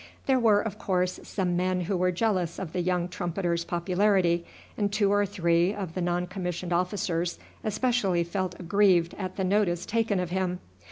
There were, of course, some men who were jealous of the young trumpeter's popularity, and two or three of the non commissioned officers especially felt aggrieved at the notice taken of him.